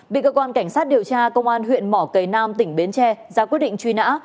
bị cơ quan cảnh sát điều tra công an huyện mỏ cầy nam tỉnh bến tre ra quyết định truy nã